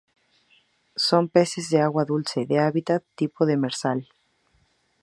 Son peces de agua dulce, de hábitat tipo demersal.